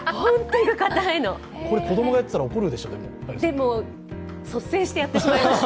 これ、子供がやっていたら率先してやってしまいました、